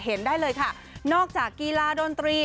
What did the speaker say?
ได้เลยค่ะนอกจากกีฬาดนตรี